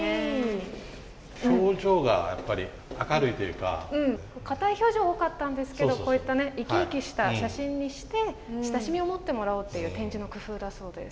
かたい表情が多かったんですけどこういった生き生きした写真にして親しみを持ってもらおうっていう展示の工夫だそうです。